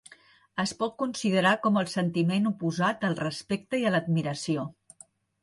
Es pot considerar com el sentiment oposat al respecte i a l'admiració.